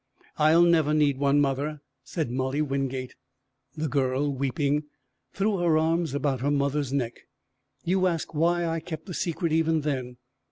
"I'll never need one, mother," said Molly Wingate. The girl, weeping, threw her arms about her mother's neck. "You ask why I kept the secret, even then.